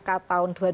dan keputusan mpr